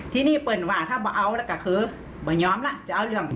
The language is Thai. ทีนี้เปิ้ลว่าถ้ามาเอาแล้วก็คือไม่ยอมละจะเอาเรื่อง